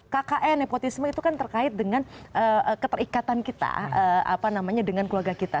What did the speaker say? kkn nepotisme itu kan terkait dengan keterikatan kita dengan keluarga kita